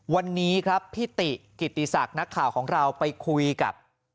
วันนี้ครับพี่ติกิติศักดิ์นักข่าวของเราไปคุยกับ